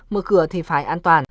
mở cửa thì phải an toàn